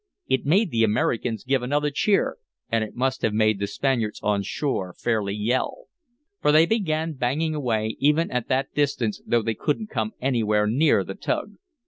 It made the Americans give another cheer, and it must have made the Spaniards on shore fairly yell. For they began banging away, even at that distance, though they couldn't come anywhere near the tug.